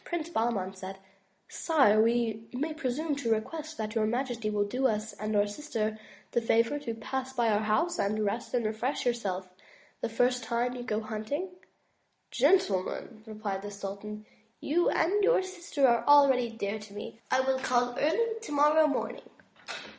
Prince Bahman said: '*Sire, may we presume to request that your majesty will do us and our sister the favor to pass by our house and rest and refresh yourself the first time you go hunting?" "Gentlemen,'' replied the sultan, "you and your sister are already dear to me. I will call early tomorrow morning."